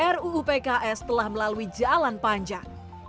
ruu pks telah melalui jalan panjang